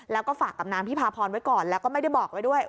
แล้วก็ฝากกับนางพิพาพรไว้ก่อนแล้วก็ไม่ได้บอกไว้ด้วย